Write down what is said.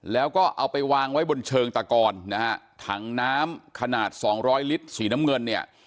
แล้วก็เอาไปวางไว้บนเชิงตะกอนนะฮะถังน้ำขนาดสองร้อยลิตรสีน้ำเงินเนี่ย